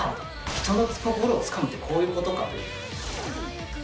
人の心をつかむってこういうことかと。